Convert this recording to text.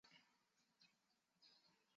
林志儒台湾新竹县客家人。